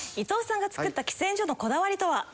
伊藤さんが作った喫煙所のこだわりとは？